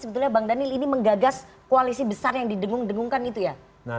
sebetulnya bang daniel ini menggagas koalisi besar yang didengung dengungkan itu ya